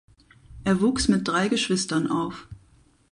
Er wuchs mit drei Geschwistern auf.